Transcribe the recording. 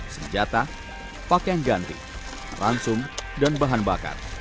senjata pakaian ganti ransum dan bahan bakar